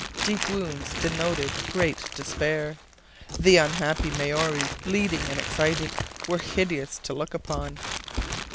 Deep wounds denoted great despair. The unhappy Maories, bleeding and excited, were hideous to look upon.